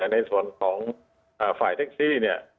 ในส่วนของฝ่ายแท็กซี่เนี่ย